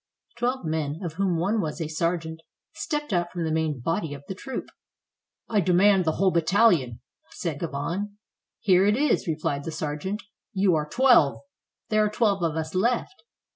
Twelve men, of whom one was a sergeant, stepped out from the main body of the troop. "I demand the whole battalion," said Gauvain. "Here it is," replied the sergeant. "You are twelve!" "There are twelve of us left."